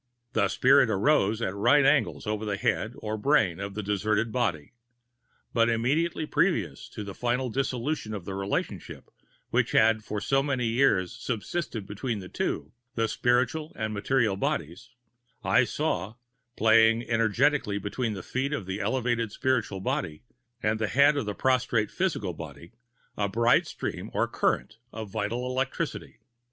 The spirit arose at right angles over the head or brain of the deserted body. But immediately previous to the final dissolution of the relationship which had for so many years subsisted between the two, the spiritual and material bodies, I saw—playing energetically between the feet of the elevated spiritual body and the head of the prostrate physical body—a bright stream or current of vital electricity.